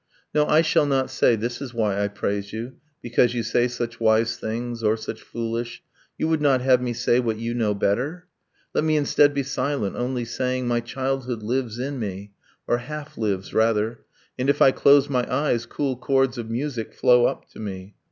No, I shall not say 'this is why I praise you Because you say such wise things, or such foolish. ..' You would not have me say what you know better? Let me instead be silent, only saying : My childhood lives in me or half lives, rather And, if I close my eyes cool chords of music Flow up to me